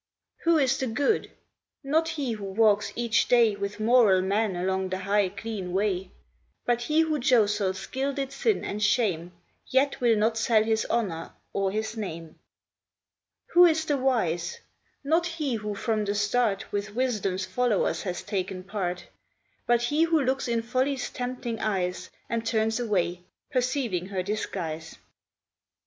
Who is the good? Not he who walks each day With moral men along the high, clean way; But he who jostles gilded sin and shame, Yet will not sell his honor or his name. Who is the wise? Not he who from the start With Wisdom's followers has taken part; But he who looks in Folly's tempting eyes, And turns away, perceiving her disguise.